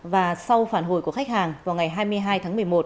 và sau phản hồi của khách hàng vào ngày hai mươi hai tháng một mươi một